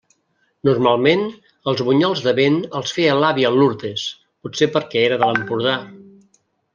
Normalment els bunyols de vent els feia l'àvia Lourdes, potser perquè era de l'Empordà.